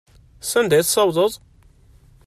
Sanda i tessawḍeḍ?